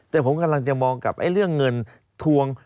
แต่ผมกำลังจะมองกับเรื่องเงินทวง